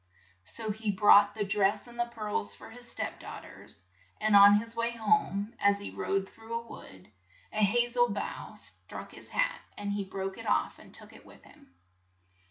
So he brought the dress and the pearls for his step daugh ters, and on his way home, as he rode through a wood, a ha zel bough struck his hat, and he broke it off and took it with him.